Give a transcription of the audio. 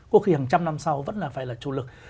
cuộc khi hàng trăm năm sau vẫn là phải là chủ lực